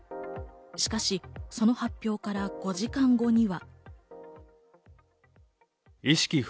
しかし、その発表から５時間後には。